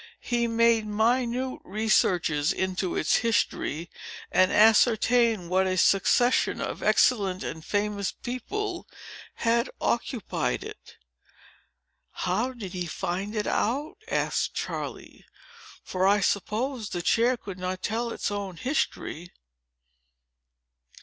He made minute researches into its history, and ascertained what a succession of excellent and famous people had occupied it." "How did he find it out?" asked Charley. "For I suppose the chair could not tell its own history."